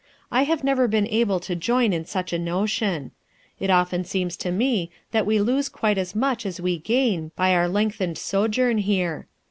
I have never been able to join in such a notion. It often seems to me that we lose quite as much as we gain by our lengthened sojourn here.